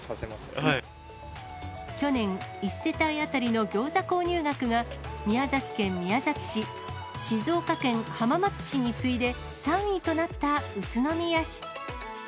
去年、１世帯当たりのギョーザ購入額が宮崎県宮崎市、静岡県浜松市に次いで３位となった宇都宮市。